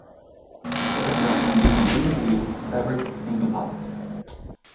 The aircraft was made from aluminium tube, fabric and composites.